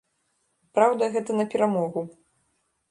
Праўда, гэта на перамогу.